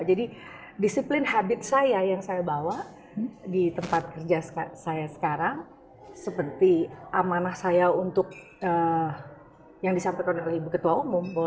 jadi disiplin habit saya yang saya bawa di tempat kerja saya sekarang seperti amanah saya untuk yang disampaikan oleh ibu ketua umum